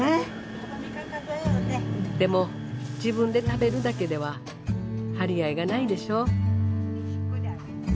でも自分で食べるだけでは張り合いがないでしょ。